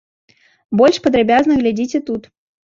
Больш падрабязна глядзіце тут.